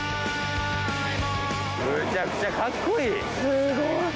すごい。